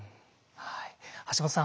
橋本さん